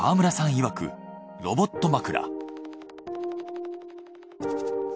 いわくロボット枕。